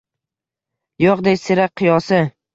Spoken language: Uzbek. Yo’qdek sira qiyosi.